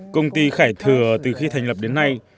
công ty khải thừa từ khi thành lập đến nay